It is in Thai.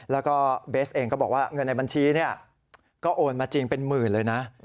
แล้วก็เบสเองก็บอกว่าเงินในบัญชีก็โอนมาจริงเป็นหมื่นเลยนะ